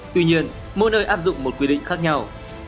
tuy nhiên mỗi nơi áp dụng một quy định khác nhau